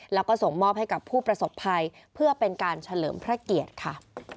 แล้วก็ส่งมอบให้กับผู้ประสบภัยเพื่อเป็นการเฉลิมพระเกียรติค่ะ